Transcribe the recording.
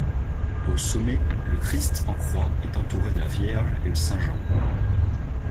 Au sommet, le christ en croix est entouré de la vierge et de Saint-Jean.